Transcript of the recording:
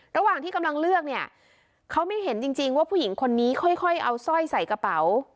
ระหว่างที่กำลังเลือกเนี่ยเขาไม่เห็นจริงว่าผู้หญิงคนนี้ค่อยเอาสร้อยใส่กระเป๋า